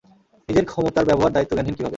নিজের ক্ষমতার ব্যবহার দায়িত্বজ্ঞানহীন কীভাবে?